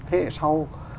thế hệ sau